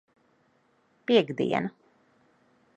Piektdiena.